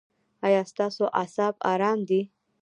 ایا ستاسو اعصاب ارام دي؟